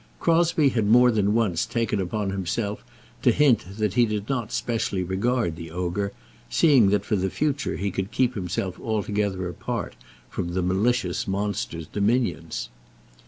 Crosbie had more than once taken upon himself to hint that he did not specially regard the ogre, seeing that for the future he could keep himself altogether apart from the malicious monster's dominions.